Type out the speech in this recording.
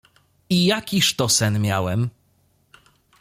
"I jakiż to sen miałem?"